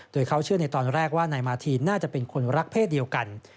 โดยเขาเชื่อในตอนแรกว่านายมาทีนน่าจะเป็นคนรักเพศเดียวกัน